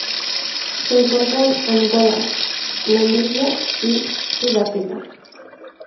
Se encuentra en Angola, Namibia, y Sudáfrica.